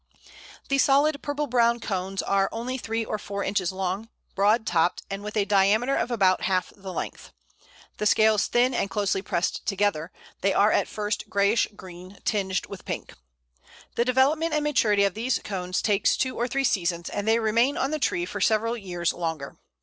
The solid, purple brown cones are only three or four inches long, broad topped, and with a diameter of about half the length; the scales thin and closely pressed together; they are at first greyish green, tinged with pink. The development and maturity of these cones takes two or three seasons, and they remain on the tree for several years longer.